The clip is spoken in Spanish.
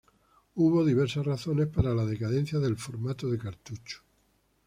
Hubo diversas razones para la decadencia del formato de cartucho.